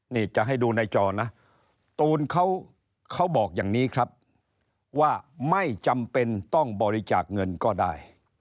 นี่จะให้ดูในจอนะตูนเขาบอกอย่างนี้ครับว่าไม่จำเป็นต้องบริจาคเงินก็ได้